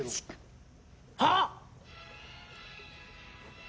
あっ！